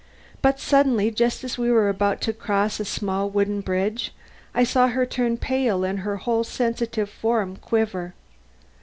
But suddenly, just as we were about to cross a small wooden bridge, I saw her turn pale and her whole sensitive form quiver.